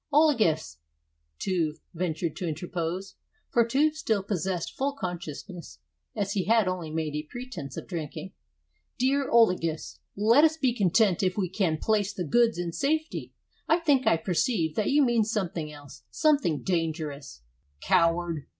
"Olagus," Tuve ventured to interpose, for Tuve still possessed full consciousness, as he had only made a pretense of drinking, "dear Olagus, let us be content if we can place the goods in safety. I think I perceive that you mean something else something dangerous." "Coward!